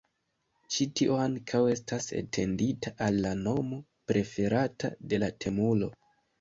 Ĉi tio ankaŭ estas etendita al la nomo preferata de la temulo.